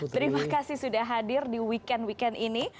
terima kasih sudah hadir di weekend weekend ini